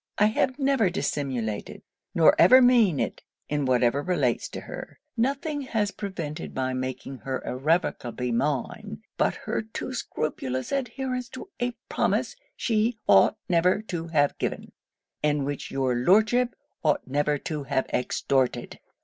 I have never dissimulated; nor ever mean it in whatever relates to her. Nothing has prevented my making her irrevocably mine, but her too scrupulous adherence to a promise she ought never to have given, and which your Lordship ought never to have extorted.'